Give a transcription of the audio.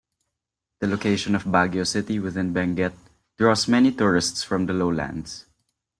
The location of Baguio City within Benguet draws many tourists from the lowlands.